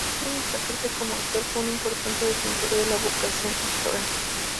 Además de destacarse como actor fue un importante defensor de la vocación actoral.